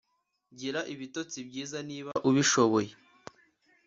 Gira ibitotsi byiza niba ubishoboye